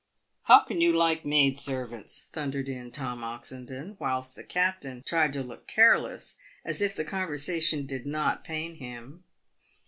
" How can you like maid servants," thundered in Tom Oxendon, whilst the captain tried to look careless, as if the conversation did not pain him.